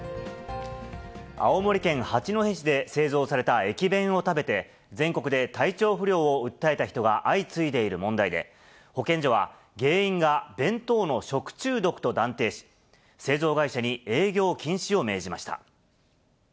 青森県八戸市で製造された駅弁を食べて、全国で体調不良を訴えた人が相次いでいる問題で、保健所は、原因が弁当の食中毒と断定し、製造会社に営業禁止を命じました。